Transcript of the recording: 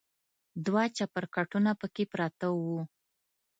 دوه چپرکټونه پکې پراته و.